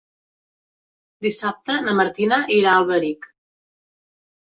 Dissabte na Martina irà a Alberic.